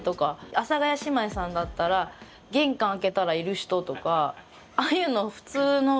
阿佐ヶ谷姉妹さんだったら玄関開けたらいる人とかああいうの普通のモノマネ